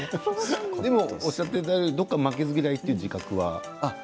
でも、おっしゃっていたようにどこか負けず嫌いという自覚は？